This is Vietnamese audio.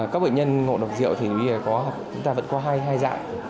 các bệnh nhân ngộ độc rượu thì chúng ta vẫn có hai dạng